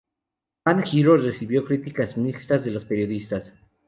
Band Hero recibió críticas mixtas de los periodistas.